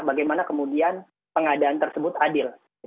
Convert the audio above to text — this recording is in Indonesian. bagaimana kemudian pengadaan tersebut adil